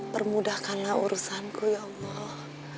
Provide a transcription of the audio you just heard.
bermudahkanlah urusanku ya allah